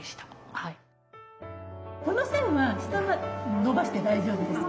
この線は下まで延ばして大丈夫です。